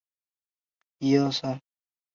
游戏分为单人游戏模式和对战模式。